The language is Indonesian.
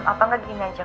apa gak gini aja